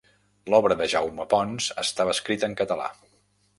L’obra de Jaume Ponç estava escrita en català.